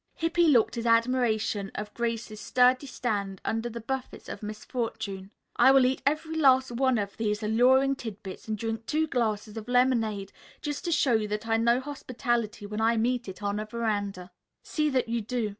Hippy looked his admiration of Grace's sturdy stand under the buffets of misfortune. "I will eat every last one of these alluring tidbits and drink two glasses of lemonade just to show you that I know hospitality when I meet it on a veranda." "See that you do.